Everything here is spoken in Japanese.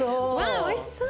わおいしそう。